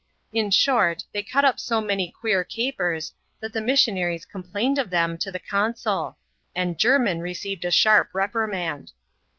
In short, they cut up so many queer capers, that the missionaries complained of them to the consul ; and Jermin received a sharp reprimand.